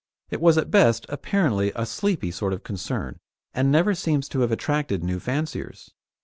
It was at best apparently a sleepy sort of concern, and never seems to have attracted new fanciers.